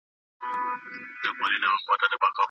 ایا د سړو حوضونو کې لامبو کول هرچا لپاره مناسب دي؟